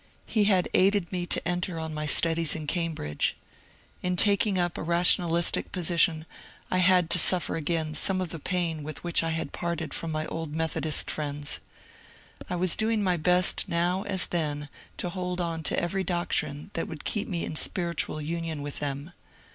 He had aided me to enter on my studies in Cambridge. In taking up a rationalistic posi tion I had to suffer again some of the pain with which I had parted from niy old Methodist friends. I was doing my best now as then to hold on to every doctrine that would keep me in spiritual union with them.